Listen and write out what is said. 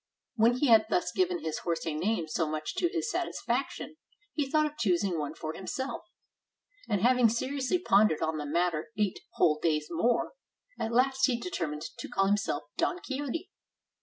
When he had thus given his horse a name so much to his satisfaction, he thought of choosing one for himself; and having seriously pondered on the matter eight whole days more, at last he determined to call himself Don Quixote.